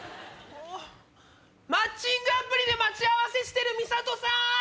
マッチングアプリで待ち合わせしてる美里さん！